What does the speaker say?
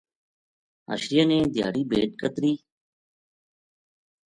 حشریاں نے دھیاڑی بھیڈ کترَی